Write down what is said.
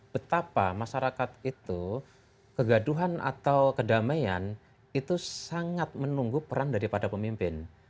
betapa masyarakat itu kegaduhan atau kedamaian itu sangat menunggu peran daripada pemimpin